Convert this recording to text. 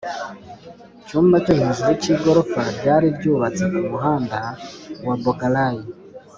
cyumba cyo hejuru cy igorofa ryari ryubatse ku muhanda wa Bogalay